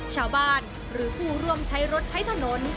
ชาวบ้านหรือผู้ร่วมใช้รถใช้ถนน